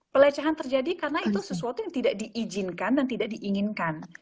pelecehan terjadi karena itu sesuatu yang tidak diizinkan dan tidak diinginkan